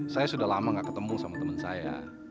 saya sudah lama gak ketemu sama teman saya